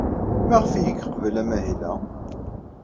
Maɣef ay yeqbel amahil-a?